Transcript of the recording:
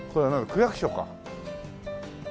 区役所か。